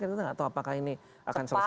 kita nggak tahu apakah ini akan selesai